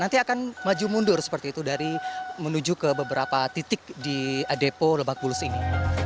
nanti akan maju mundur seperti itu dari menuju ke beberapa titik di depo lebak bulus ini